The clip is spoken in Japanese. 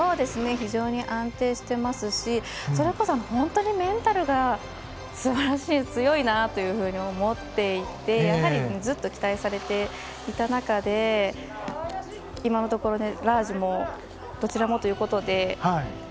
非常に安定していますしそれこそ、本当にメンタルがすばらしい強いなと思っていてやはりずっと期待されていた中で今のところ、ラージもどちらもということで。